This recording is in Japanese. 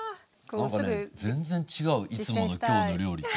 なんかね全然違ういつもの「きょうの料理」と。